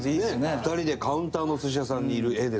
２人でカウンターのお寿司屋さんにいる画ですよ。